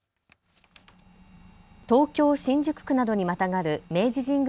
東京新宿区などにまたがる明治神宮